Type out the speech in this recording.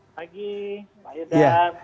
pagi pagi dah